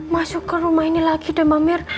masuk ke rumah ini lagi deh mbak mir